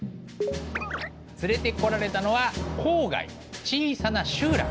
連れてこられたのは郊外の小さな集落。